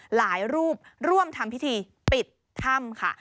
หลายรูปร่วมทำพิธีปิดถ้ำค่ะ